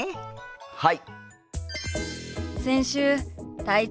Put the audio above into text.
はい！